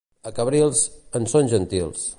A Cabrils, en són gentils.